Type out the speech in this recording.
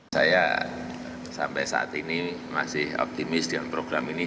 saya sampai saat ini masih optimis dengan program ini